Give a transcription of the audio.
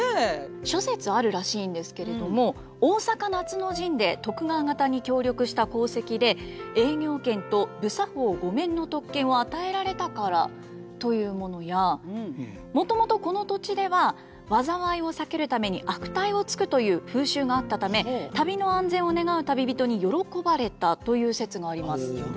諸説あるらしいんですけれども大坂夏の陣で徳川方に協力した功績で営業権と不作法御免の特権を与えられたからというものやもともとこの土地では災いを避けるために悪態をつくという風習があったため旅の安全を願う旅人に喜ばれたという説があります。